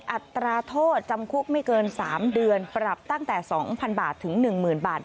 อัตราโทษจำคุกไม่เกิน๓เดือนปรับตั้งแต่๒๐๐๐บาทถึง๑๐๐๐บาท